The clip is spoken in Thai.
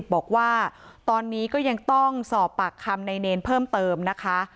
บอกว่าตอนนี้ก็ยังต้องสอบปากคำในเนรเพิ่มเติมนะคะ